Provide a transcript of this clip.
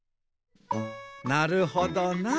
なるほどな。